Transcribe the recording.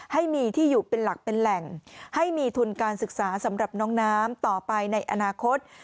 ให้มีที่อยู่เป็นหลักเป็นแหล่งให้มีทุนการศึกษาสำหรับน้องน้ำต่อไปในอนาคต